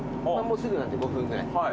すぐなんで５分ぐらい。